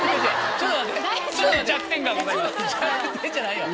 ちょっと待って。